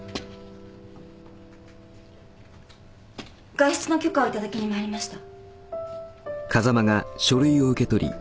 外出の許可をいただきに参りました。